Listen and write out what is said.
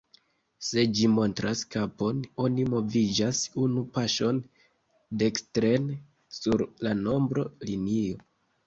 Se ĝi montras kapon, oni moviĝas unu paŝon dekstren sur la nombro-linio.